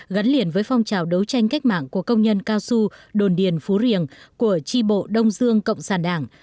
gắn liền với phong trào đấu tranh cách mạng của công nhân cao su đồn điền phú riềng của tri bộ đông dương cộng sản đảng